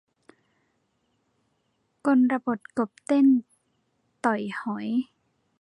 กลบทกบเต้นต่อยหอย